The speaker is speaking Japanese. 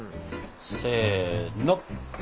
せの！